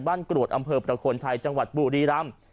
บ้านกรวจอำเผอประโคนชัยจังหวัดบูธรีรำ